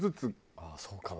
ああそうかも。